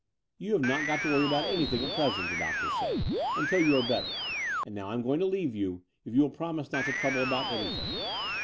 "You have not got to worry about anything at present, the doctors say, untU you are better: and now I'm going to leave you, if you will promise not to trouble about anything.